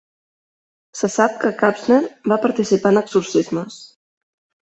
Se sap que Kapsner va participar en exorcismes.